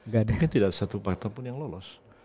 kan tidak ada satu partai pun yang lolos